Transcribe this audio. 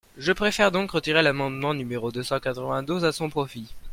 Je préfère donc retirer l’amendement numéro deux cent quatre-vingt-douze à son profit.